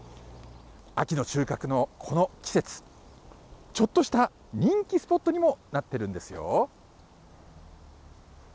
秋の収穫のこの季節、ちょっとした人気スポットにもなってるんですよ。